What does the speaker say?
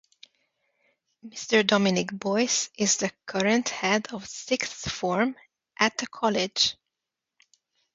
Mr Dominic Boyse is the current Head of Sixth Form at the College.